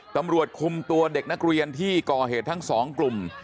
ตำรวจคุมตัวเด็กนักเรียนที่ก่อเหตุทั้งสองกลุ่ม